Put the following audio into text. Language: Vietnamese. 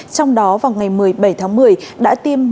trong đó vào ngày một mươi bảy tháng một mươi đã tiêm một năm trăm linh